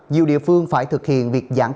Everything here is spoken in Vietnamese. nhiều địa phương phải thực hiện việc chăm sóc